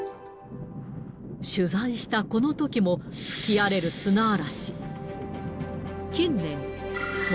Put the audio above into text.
取材したこのときも、吹き荒れる砂嵐。